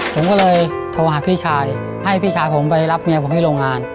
ผมก็เลยโทรหาพี่ชายให้พี่ชายผมไปรับเมียผมให้โรงงาน